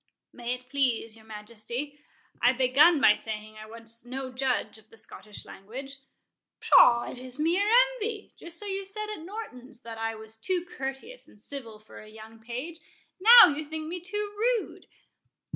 "May it please your Majesty,—I begun by saying I was no judge of the Scottish language." "Pshaw—it is mere envy; just so you said at Norton's, that I was too courteous and civil for a young page—now you think me too rude."